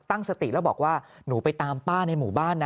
ตั้งสติแล้วบอกว่าหนูไปตามป้าในหมู่บ้านนะ